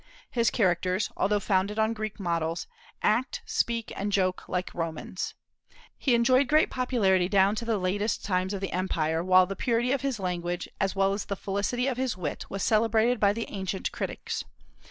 His characters, although founded on Greek models, act, speak, and joke like Romans. He enjoyed great popularity down to the latest times of the empire, while the purity of his language, as well as the felicity of his wit, was celebrated by the ancient critics.